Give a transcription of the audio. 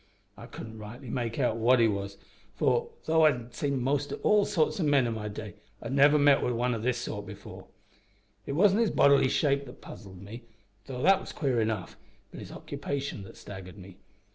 I couldn't rightly make out what he was, for, though I've seed mostly all sorts o' men in my day, I'd never met in wi' one o' this sort before. It wasn't his bodily shape that puzzled me, though that was queer enough, but his occupation that staggered me.